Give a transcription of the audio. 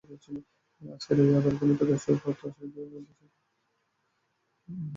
আজকের রায়ে আদালত মৃত্যুদণ্ডাদেশ প্রাপ্ত আসামিদের মধ্যে সাতজনের সাজা কমিয়ে যাবজ্জীবন কারাদণ্ড দিয়েছেন।